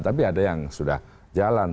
tapi ada yang sudah jalan